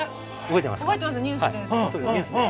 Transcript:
覚えてますニュースで。